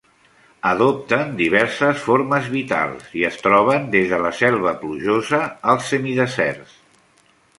Adopten diverses formes vitals i es troben des de la selva plujosa als semideserts.